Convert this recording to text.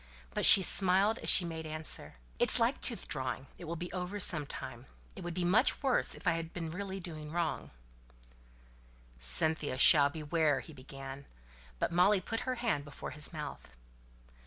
But she smiled as she made answer, "It's like tooth drawing, it will be over some time. It would be much worse if I really had been doing wrong." "Cynthia shall beware " he began; but Molly put her hand before his mouth.